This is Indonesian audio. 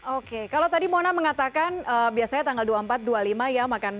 oke kalau tadi mona mengatakan biasanya tanggal dua puluh empat dua puluh lima ya makan siang